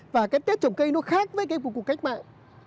và cái tết trồng cây nó khác với cái của cuộc cách mạng